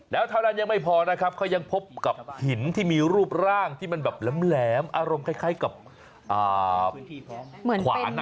แล้วเท่านั้นยังไม่พอนะครับเขายังพบกับหินที่มีรูปร่างที่มันแบบแหลมอารมณ์คล้ายกับขวาน